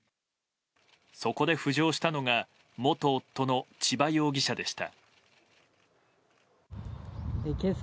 そこで浮上したのが元夫の千葉容疑者でした。